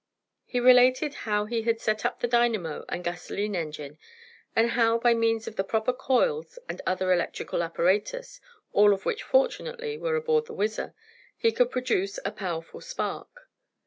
He related how he had set up the dynamo and gasolene engine, and how, by means of the proper coils and other electrical apparatus, all of which, fortunately, was aboard the WHIZZER, he could produce a powerful spark.